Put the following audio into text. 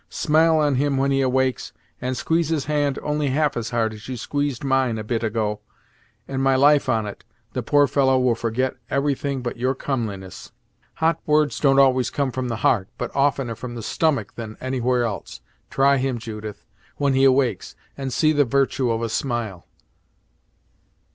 Smile on him when he awakes, and squeeze his hand only half as hard as you squeezed mine a bit ago, and my life on it, the poor fellow will forget every thing but your comeliness. Hot words don't always come from the heart, but oftener from the stomach than anywhere else. Try him, Judith, when he awakes, and see the virtue of a smile."